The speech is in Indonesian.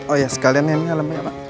oh iya sekalian ya ini alamnya pak